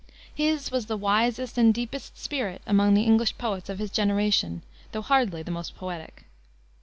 His was the wisest and deepest spirit among the English poets of his generation, though hardly the most poetic.